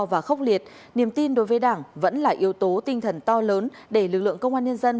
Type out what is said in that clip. và khốc liệt niềm tin đối với đảng vẫn là yếu tố tinh thần to lớn để lực lượng công an nhân dân